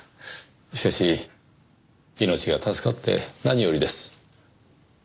しかし命が助かって何よりです。